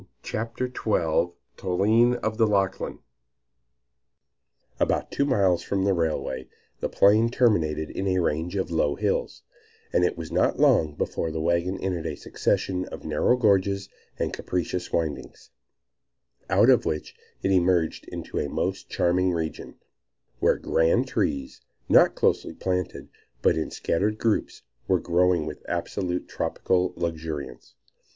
CHAPTER XII TOLINE OF THE LACHLAN ABOUT two miles from the railway, the plain terminated in a range of low hills, and it was not long before the wagon entered a succession of narrow gorges and capricious windings, out of which it emerged into a most charming region, where grand trees, not closely planted, but in scattered groups, were growing with absolutely tropical luxuriance.